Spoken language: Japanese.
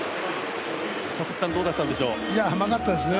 佐々木さん、どうだったんでしょう甘かったですね。